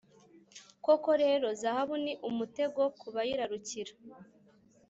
Koko rero, zahabu ni umutego ku bayirarukira,